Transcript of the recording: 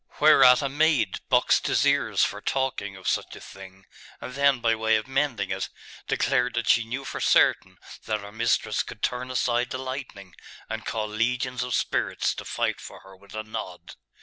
Whereat a maid boxed his ears for talking of such a thing; and then, by way of mending it, declared that she knew for certain that her mistress could turn aside the lightning, and call legions of spirits to fight for her with a nod....